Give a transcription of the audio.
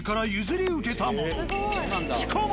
しかも。